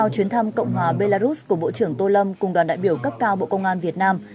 chuyến thăm cộng hòa belarus của bộ trưởng tô lâm cùng đoàn đại biểu cấp cao bộ công an việt nam